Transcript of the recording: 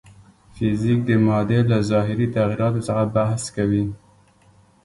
فزیک د مادې له ظاهري تغیراتو څخه بحث کوي.